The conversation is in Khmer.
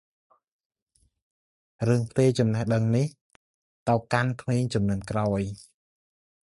រឿងផ្ទេរចំណេះដឹងនេះទៅកាន់ក្មេងជំនាន់ក្រោយ។